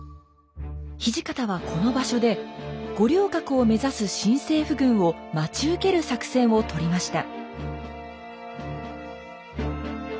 土方はこの場所で五稜郭を目指す新政府軍を待ち受ける作戦をとりました。